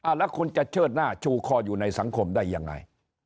แล้วคุณจะเชิดหน้าชูคออยู่ในสังคมได้ยังไง